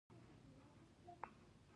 د تاریخ زده کړه عقل زیاتوي.